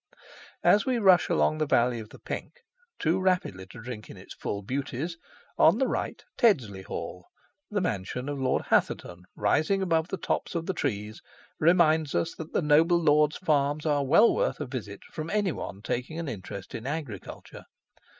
As we rush along the valley of the Penk, too rapidly to drink in its full beauties; on the right, Teddesley Hall, the mansion of Lord Hatherton, rising above the tops of the trees, reminds us that the noble lord's farms are well worth a visit from any one taking an interest in agriculture.